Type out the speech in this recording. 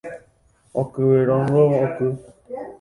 Okyvérõngo oky